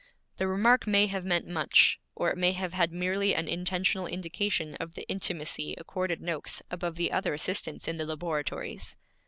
The remark may have meant much, or it may have had merely an intentional indication of the intimacy accorded Noakes above the other assistants in the laboratories.